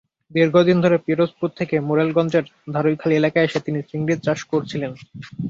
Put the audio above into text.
দীর্ঘদিন ধরে পিরোজপুর থেকে মোরেলগঞ্জের খারুইখালী এলাকায় এসে তিনি চিংড়ির চাষ করছিলেন।